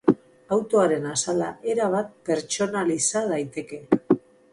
Autoaren azala erabat pertsonaliza daiteke.